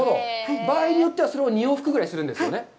場合によってはそれを２往復ぐらいするんですよね。